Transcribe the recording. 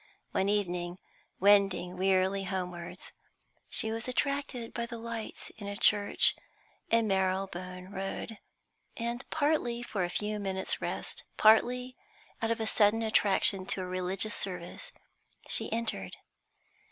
One evening, wending wearily homewards, she was attracted by the lights in a church in Marylebone Road, and, partly for a few minutes' rest, partly out of a sudden attraction to a religious service, she entered.